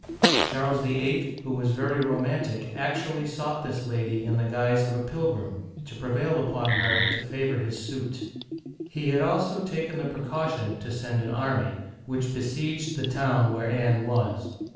Charles VIII., who was very romantic, actually sought this lady in the guise of a pilgrim, to prevail upon her to favor his suit. He had also taken the precaution to send an army, which besieged the town where Anne was.